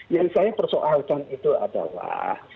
yang saya persoalkan itu adalah